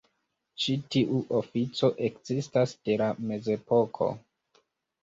Ĉi tiu ofico ekzistas de la mezepoko.